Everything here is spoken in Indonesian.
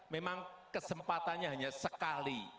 memang kesempatannya hanya ada di tiga belas tahun ke depan